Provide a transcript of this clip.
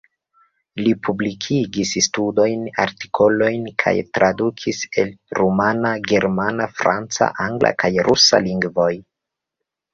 Li publikigis studojn, artikolojn kaj tradukis el rumana, germana, franca, angla kaj rusa lingvoj.